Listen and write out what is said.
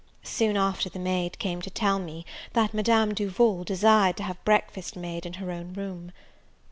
Soon after the maid came to tell me, that Madame Duval desired to have breakfast made in her own room.